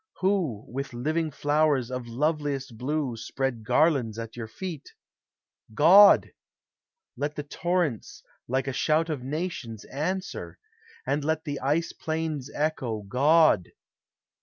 Who, with living flowers Of loveliest blue, spread garlands at your feet? God! — let the torrents, like a shout of nations, Answer! and let the ice plains echo, God!